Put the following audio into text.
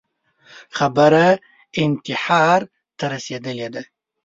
خبره انتحار ته رسېدلې ده